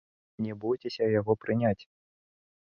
Не бойцеся яго прыняць!